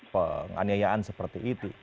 penganiayaan seperti itu